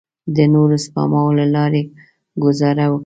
د نورو سپماوو له لارې ګوزاره وکړئ.